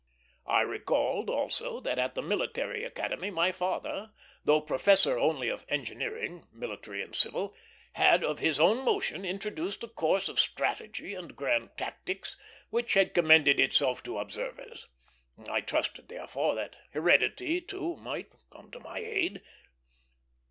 I recalled also that at the Military Academy my father, though professor only of engineering, military and civil, had of his own motion introduced a course of strategy and grand tactics, which had commended itself to observers. I trusted, therefore, that heredity, too, might come to my aid.